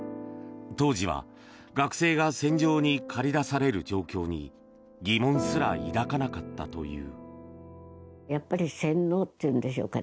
当時は学生が戦場に駆り出される状況に疑問すら抱かなかったという。